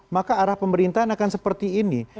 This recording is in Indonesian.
maka arah pemerintahan akan seperti ini